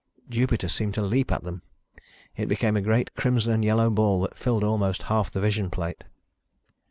Jupiter seemed to leap at them. It became a great crimson and yellow ball that filled almost half the vision plate.